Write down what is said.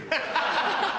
ハハハ！